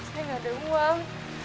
saya gak ada uang